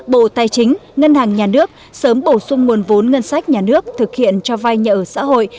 bộ tài chính ngân hàng nhà nước sớm bổ sung nguồn vốn ngân sách nhà nước thực hiện cho vay nhà ở xã hội